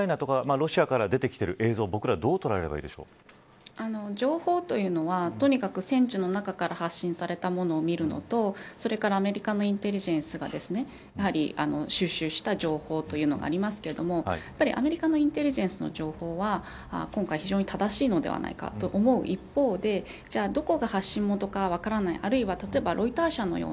ウクライナやロシアからでてきている映像を情報というのは、とにかく戦地の中から発信されたもの見るのとそれからアメリカのインテリジェンスが収集した情報というのがありますけれどもやはりアメリカのインテリジェンスの情報は今回、非常に正しいのではないかと思う一方でじゃあどこが発信元か分からない。